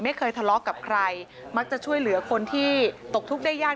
ไม่เคยทะเลาะกับใครมักจะช่วยเหลือคนที่ตกทุกข์ได้ยาก